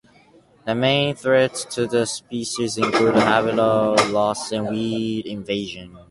The main threats to the species include habitat loss and weed invasion.